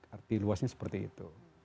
arti luasnya seperti itu